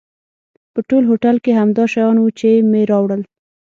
په ټول هوټل کې همدا شیان و چې مې راوړل.